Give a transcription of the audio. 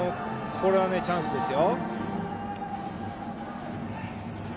これはチャンスですよ。